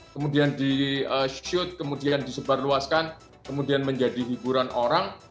kemudian di shoot kemudian disebarluaskan kemudian menjadi hiburan orang